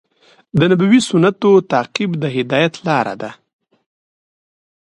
د نبوي سنتونو تعقیب د هدایت لار دی.